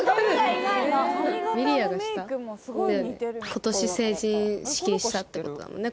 今年成人式したってことだもんね